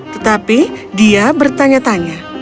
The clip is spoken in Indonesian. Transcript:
tetapi dia bertanya tanya